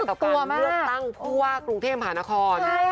กับผู้เลือกตั้งผู้ว่ากรุงเทพหานคร